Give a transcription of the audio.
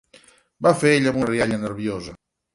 —va fer ell amb una rialla nerviosa.